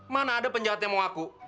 mana ada penjahat yang mau aku